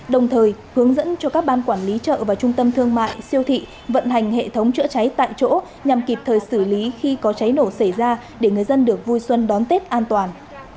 đồng thời hướng dẫn cho các ban quản lý chợ và trung tâm thương mại siêu thị vận hành hệ thống chữa cháy tại chỗ nhằm kịp thời xử lý khi có cháy nổ xảy ra để người dân được vui xuân đón tết an toàn